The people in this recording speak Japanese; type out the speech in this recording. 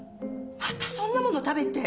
またそんなもの食べて。